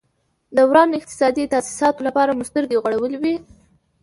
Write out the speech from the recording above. د ورانو اقتصادي تاسیساتو لپاره مو سترګې غړولې وې.